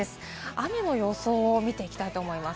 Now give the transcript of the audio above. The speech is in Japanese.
雨の様子を見ていきたいと思います。